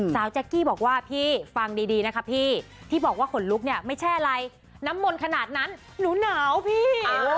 แจ๊กกี้บอกว่าพี่ฟังดีนะคะพี่ที่บอกว่าขนลุกเนี่ยไม่ใช่อะไรน้ำมนต์ขนาดนั้นหนูหนาวพี่